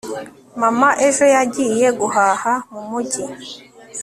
mama ejo yagiye guhaha mumujyi